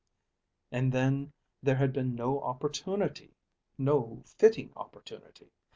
And then there had been no opportunity, no fitting opportunity.